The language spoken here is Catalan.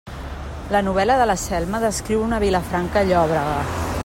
La novel·la de la Selma descriu una Vilafranca llòbrega.